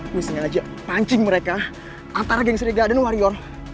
gue sengaja pancing mereka antara geng trigala dan wario